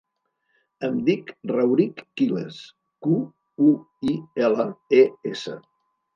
Em dic Rauric Quiles: cu, u, i, ela, e, essa.